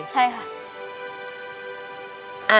ใช่ค่ะ